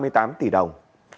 công an tổ chức mở hụi